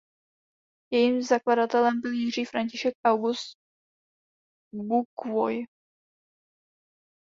Jejím zakladatelem byl Jiří František August Buquoy.